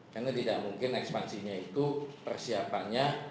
karena tidak mungkin ekspansinya itu persiapannya